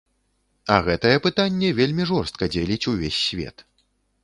А гэтае пытанне вельмі жорстка дзеліць увесь свет.